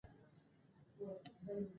څوک د نجونو د زده کړې حق تر پښو لاندې کوي؟